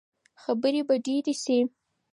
خبرې به ډېرې شي.